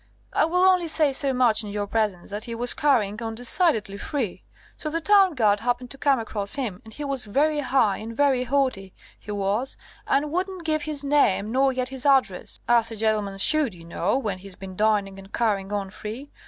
I will only say so much in your presence, that he was carrying on decidedly free. So the town guard happened to come across him, and he was very high and very haughty, he was, and wouldn't give his name nor yet his address as a gentleman should, you know, when he's been dining and carrying on free.